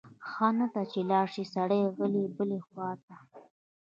ښه نه ده چې لاړ شی سړی غلی بلې خواته؟